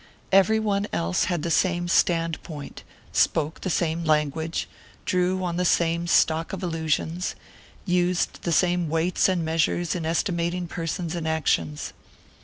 Every one else had the same standpoint, spoke the same language, drew on the same stock of allusions, used the same weights and measures in estimating persons and actions.